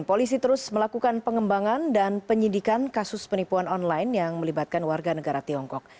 polisi terus melakukan pengembangan dan penyidikan kasus penipuan online yang melibatkan warga negara tiongkok